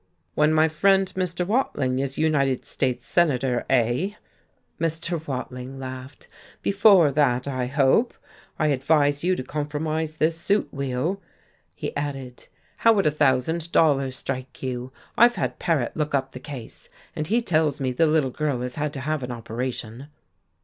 "When my friend Mr. Watling is United States Senator, eh?" Mr. Watling laughed. "Before that, I hope. I advise you to compromise this suit, Weill," he added. "How would a thousand dollars strike you? I've had Paret look up the case, and he tells me the little girl has had to have an operation."